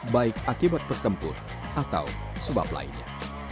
baik akibat pertempur atau sebab lainnya